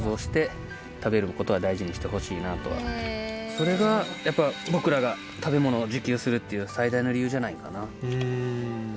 それがやっぱ僕らが食べ物を自給するっていう最大の理由じゃないかな。